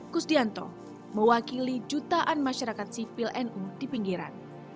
kusdianto mewakili jutaan masyarakat sipil nu di pinggiran